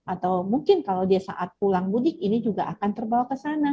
atau mungkin kalau dia saat pulang mudik ini juga akan terbawa ke sana